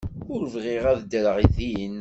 Ur bɣiɣ ad ddreɣ din.